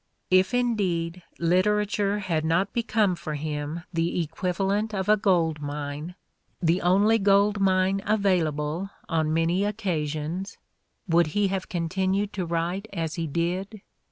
If, indeed, literature had not become for him the equiva Everybody's Neighbor 145 lent of a gold mine, the only gold mine available on many occasions, would he have continued to write as he did?